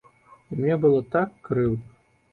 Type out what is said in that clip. І мне было так крыўдна.